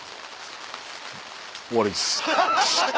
終わりです。